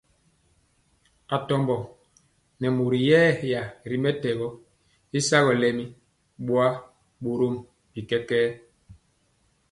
Atombo nɛ mori yɛya ri mɛtɛgɔ y sagɔ lɛmi kora boa, borom bi kɛkɛɛ.